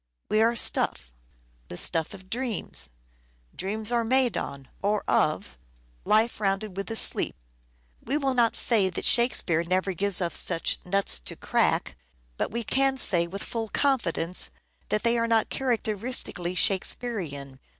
We are stuff : the stuff of dreams : dreams are made on (or " of "?): life rounded with a sleep — we will not say that Shakespeare never gives us such " nuts to crack," but we can say with full confidence that they are not characteristically Shakespearean.